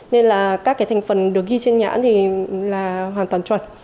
nên là các cái thành phần được ghi trên nhãn thì là hoàn toàn chuẩn